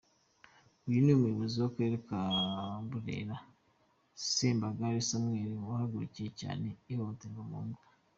Uyu ni Umuyobozi w’akarere ka Burera; Sembagare Samuel wahagurukiye cyane ihohoterwa mu ngo.